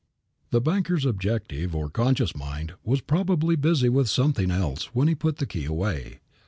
The banker's objective or conscious mind was probably busy with something else when he put the key away.